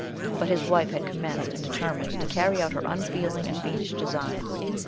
But his wife had commenced, and determined to carry out her unfeeling and fiendish designs.